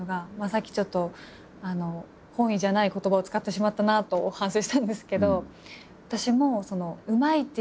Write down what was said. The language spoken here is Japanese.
さっきちょっと本意じゃない言葉を使ってしまったなと反省したんですけど。